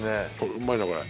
うまいなこれ。